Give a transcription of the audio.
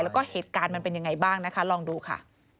แล้วก็เหตุการณ์มันเป็นยังไงบ้างนะคะลองดูค่ะ